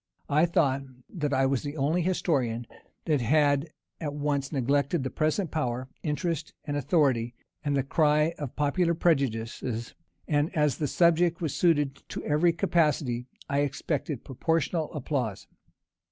I thought that I was the only historian that had at once neglected present power, interest, and authority, and the cry of popular prejudices; and as the subject was suited to every capacity, I expected proportional applause.